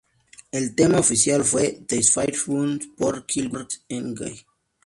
El tema oficial fue ""This Fire Burns"" por Killswitch Engage.